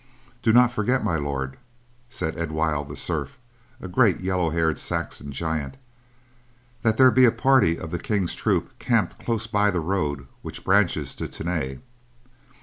"Do not forget, My Lord," said Edwild the Serf, a great yellow haired Saxon giant, "that there be a party of the King's troops camped close by the road which branches to Tany."